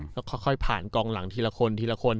ก็ค่อยผ่านกองหลังทีละคนทีละคน